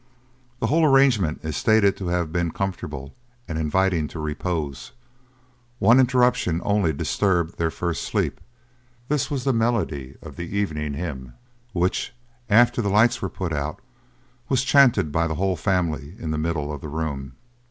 The whole arrangement is stated to have been comfortable, and inviting to repose; one interruption only disturbed their first sleep; this was the melody of the evening hymn, which, after the lights were put out, was chanted by the whole family in the middle of the room.